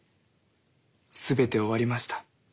全て終わりました。